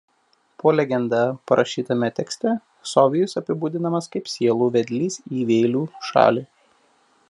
Po legenda parašytame tekste Sovijus apibūdinamas kaip sielų vedlys į Vėlių šalį.